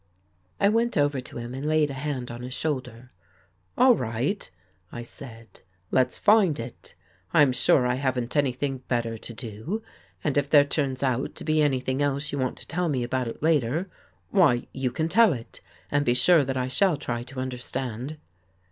I went over to him and laid a hand on his shoulder. '' All right," I said, " let's find it. I'm sure I haven't anything better to do and if there turns out to be anything else you want to tell me about it later, why you can tell it and be sure that I shall try to understand.